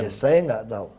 ya saya gak tau